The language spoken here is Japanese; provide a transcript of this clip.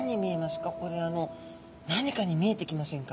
これ何かに見えてきませんか？